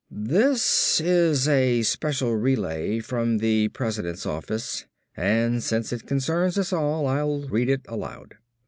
"This is a special relay from the President's office and since it concerns us all I'll read it aloud."